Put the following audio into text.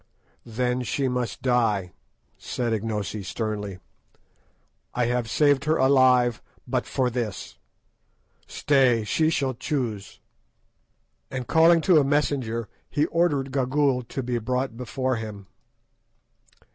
"Then she must die," said Ignosi sternly. "I have saved her alive but for this. Stay, she shall choose," and calling to a messenger he ordered Gagool to be brought before him.